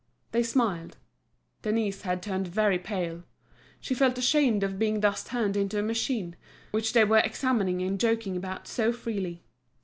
They smiled. Denise had turned very pale. She felt ashamed at being thus turned into a machine, which they were examining and joking about so freely.